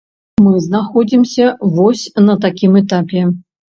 Мы знаходзімся вось на такім этапе.